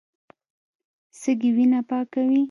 سږي وینه پاکوي.